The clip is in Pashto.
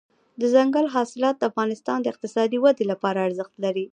دځنګل حاصلات د افغانستان د اقتصادي ودې لپاره ارزښت لري.